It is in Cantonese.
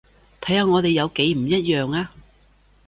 睇下我哋有幾唔一樣呀